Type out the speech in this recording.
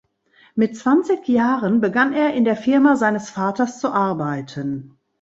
Mit zwanzig Jahren begann er in der Firma seines Vaters zu arbeiten.